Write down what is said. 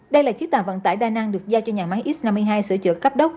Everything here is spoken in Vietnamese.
đây là chiếc tàu vận tải đa năng được giao cho nhà máy x năm mươi hai sửa chữa cấp đất